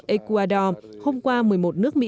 ecuador hôm qua một mươi một nước mỹ